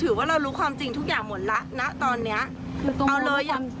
เอาความถูกต้องให้พี่อย่างเดียว